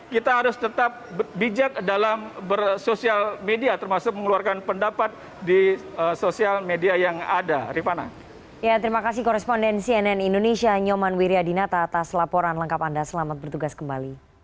kita harus tetap bijak dalam bersosial media termasuk mengeluarkan pendapat di sosial media yang ada